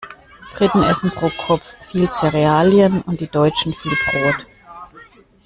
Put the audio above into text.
Briten essen pro Kopf viel Zerealien und die Deutschen viel Brot.